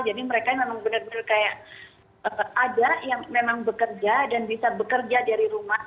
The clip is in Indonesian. jadi mereka memang benar benar kayak ada yang memang bekerja dan bisa bekerja dari rumah